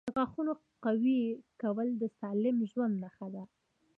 • د غاښونو قوي کول د سالم ژوند نښه ده.